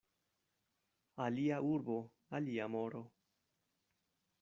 Alia urbo, alia moro.